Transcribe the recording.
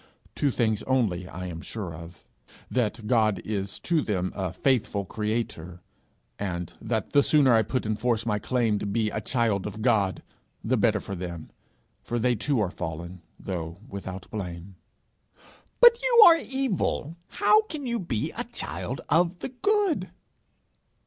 Two things only I am sure of: that God is to them "a faithful creator;" and that the sooner I put in force my claim to be a child of God, the better for them; for they too are fallen, though without blame.' 'But you are evil: how can you be a child of the Good?'